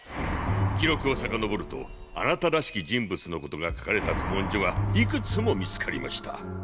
記録を遡るとあなたらしき人物のことが書かれた古文書がいくつも見つかりました。